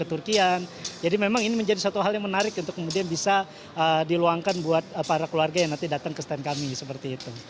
dan keturkian jadi memang ini menjadi satu hal yang menarik untuk kemudian bisa diluangkan buat para keluarga yang nanti datang ke stand kami seperti itu